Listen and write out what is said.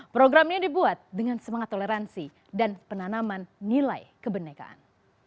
program ini dibuat dengan semangat toleransi dan penanaman nilai kebenekaan